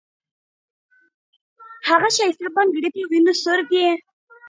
هغه ښايسته بنگړى په وينو ســـور دى.